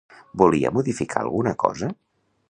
Volia modificar alguna cosa?